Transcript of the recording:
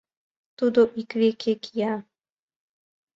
Тудо ик веке кия.